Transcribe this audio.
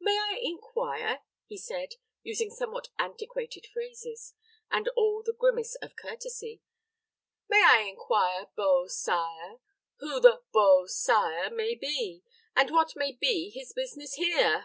"May I inquire," he said, using somewhat antiquated phrases, and all the grimace of courtesy, "May I inquire, Beau Sire, who the Beau Sire may be, and what may be his business here?"